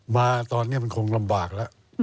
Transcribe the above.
มาตอนนี้มันคงลำบากแล้ว